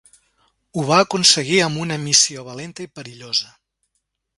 Ho va aconseguir amb una missió valenta i perillosa.